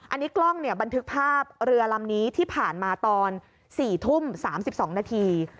อันนี้กล้องเนี่ยบันทึกภาพเรือลำนี้ที่ผ่านมาตอน๔ทุ่ม๓๒นาที